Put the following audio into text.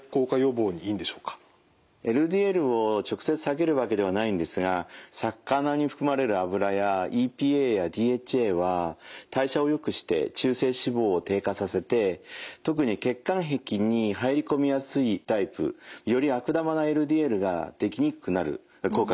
ＬＤＬを直接下げるわけではないんですが魚に含まれる脂やＥＰＡやＤＨＡは代謝をよくして中性脂肪を低下させて特に血管壁に入り込みやすいタイプより悪玉なＬＤＬができにくくなる効果があります。